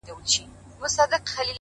نیک عمل خاموش شهرت جوړوي’